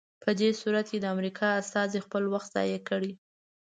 په دې صورت کې د امریکا استازي خپل وخت ضایع کړی.